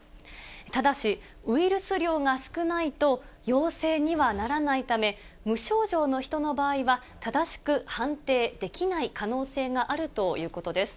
ただし、ウイルス量が少ないと陽性にはならないため、無症状の人の場合は、正しく判定できない可能性があるということです。